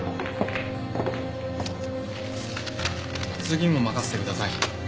次も任せてください。